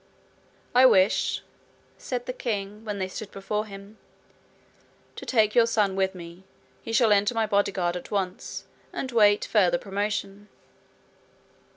'I wish,' said the king, when they stood before him, 'to take your son with me. He shall enter my bodyguard at once, and wait further promotion.'